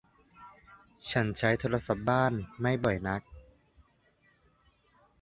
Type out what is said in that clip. ฉันใช้โทรศัพท์บ้านไม่บ่อยนัก